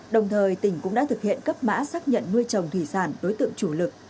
đồng thời tỉnh cũng đã thực hiện cấp mã xác nhận nuôi trồng thủy sản đối tượng chủ lực